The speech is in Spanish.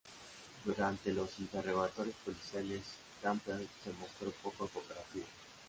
Durante los interrogatorios policiales, Campbell se mostró poco cooperativo.